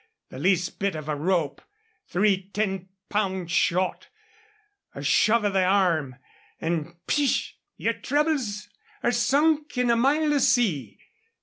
The least bit of a rope, three ten pound shot, a shove of the arm, and spsh! your troubles are sunk in a mile of sea.